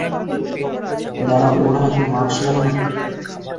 দাঁড়াও, ওর হাতে মার্শম্যালো না কি?